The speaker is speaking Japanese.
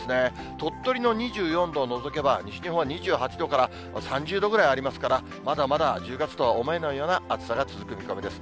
鳥取の２４度を除けば、西日本２８度から３０度ぐらいありますから、まだまだ１０月とは思えないような暑さが続く見込みです。